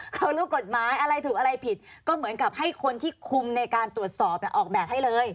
เขารู้กฎหมายอะไรถูกอะไรผิดก็เหมือนกับให้คนที่คุมในการตรวจสอบออกแบบให้เลย